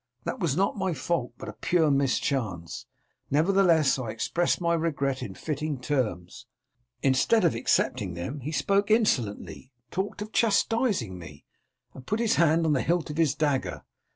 That was not my fault, but a pure mischance, nevertheless I expressed my regret in fitting terms. Instead of accepting them, he spoke insolently, talked of chastising me, and put his hand on the hilt of his dagger.